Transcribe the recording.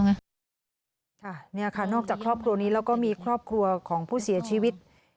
เนี่ยค่ะนอกจากครอบครัวนี้แล้วก็มีครอบครัวของผู้เสียชีวิต